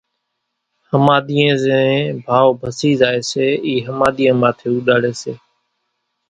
ۿماۮِيئين زين ڀائو پسي زائي سي اِي ۿماۮيان ماٿيَ اُوڏاڙي سي